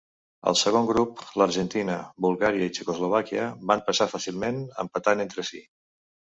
Al segon grup l'Argentina, Bulgària i Txecoslovàquia van passar fàcilment empatant entre si.